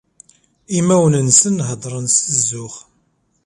Imawen-nsen heddren s zzux.